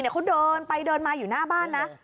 เขาเดินไปเดินมาอยู่หน้าบ้านนะ